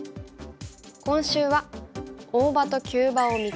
今週は「大場と急場を見極めろ」。